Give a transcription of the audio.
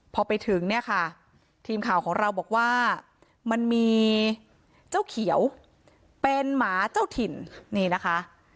พอไปถึงเนี่ยค่ะทีมข่าวของเราบอกว่ามันมีเจ้าเขียวเป็นหมาเจ้าถิ่นนี่นะคะ